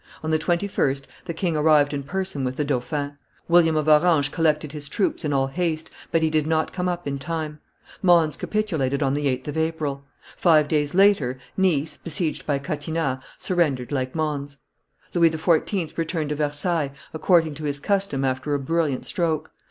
On the 21st, the king arrived in person with the dauphin; William of Orange collected his troops in all haste, but he did not come up in time: Mons capitulated on the 8th of April; five days later, Nice, besieged by Catinat, surrendered like Mons; Louis XIV. returned to Versailles, according to his custom after a brilliant stroke.